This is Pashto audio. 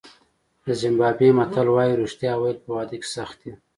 د زیمبابوې متل وایي رښتیا ویل په واده کې سخت دي.